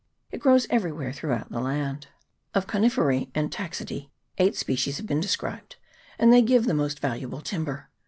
It grows everywhere throughout the island. Of ConifercB and Taxidece 8 species have been described, and they give the most valuable timber.